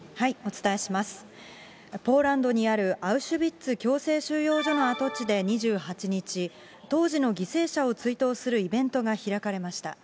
ポーランドにあるアウシュビッツ強制収容所の跡地で２８日、当時の犠牲者を追悼するイベントが開かれました。